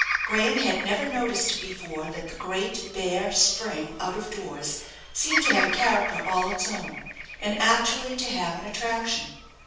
Graham had never noticed before that the great bare spring out of doors seemed to have a character all its own, and actually to have an attraction.